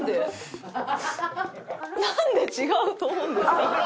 なんで違うと思うんですか？